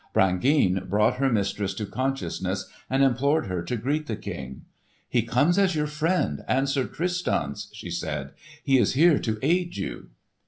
Brangeane brought her mistress to consciousness, and implored her to greet the King. "He comes as your friend, and Sir Tristan's," she said; "he is here to aid you."